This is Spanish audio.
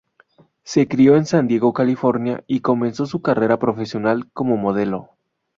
Se crio en San Diego, California y comenzó su carrera profesional como modelo.